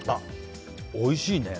おいしいね。